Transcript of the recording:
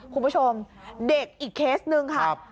คุณผู้ชมเด็กอีกเคสหนึ่งค่ะ